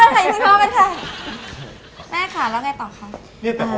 หมกทั้งช้อนเลย